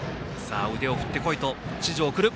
腕を振ってこいと指示を送る。